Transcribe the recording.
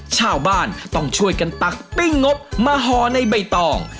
ชาวบ้านต้องช่วยกันตักปิ้งงบมาห่อในใบตอง